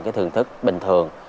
cái thường thức bình thường